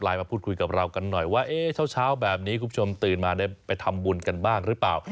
มาพูดคุยกับเรากันหน่อยว่าเช้าแบบนี้คุณผู้ชมตื่นมาได้ไปทำบุญกันบ้างหรือเปล่า